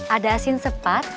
ada asin sepat